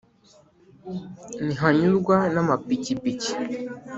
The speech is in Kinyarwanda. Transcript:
Ntihanyurwa n'amapikipiki